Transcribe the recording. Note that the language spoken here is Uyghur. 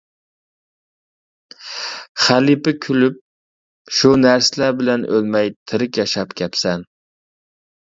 خەلىپە كۈلۈپ: شۇ نەرسىلەر بىلەن ئۆلمەي تىرىك ياشاپ كەپسەن.